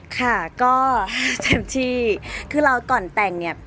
ค่ะก็เต็มที่คือเราก่อนแต่งเนี่ย